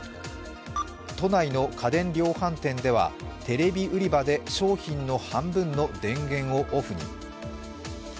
都内の家電量販店では、テレビ売場で商品の半分の電源をオフに。